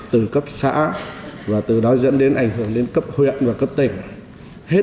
từ cấp xã và từ đó dẫn đến ảnh hưởng đến cấp huyện và cấp tỉnh